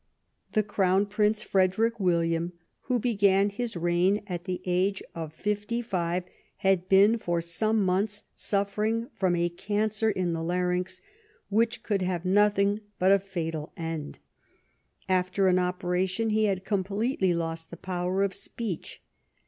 The Crown Prince Frederick William, who began his reign at the age of fifty F?odfriJrm ^^^'^^^^^^^ fo^ some months suffering from a cancer in the larynx, which could have nothing but a fatal end ; after an operation he had completely lost the power of speech.